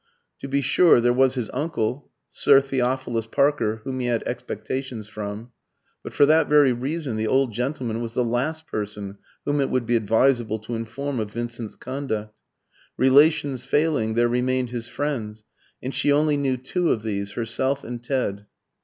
To be sure, there was his uncle, Sir Theophilus Parker, whom he had expectations from; but for that very reason the old gentleman was the last person whom it would be advisable to inform of Vincent's conduct. Relations failing, there remained his friends; and she only knew two of these herself and Ted.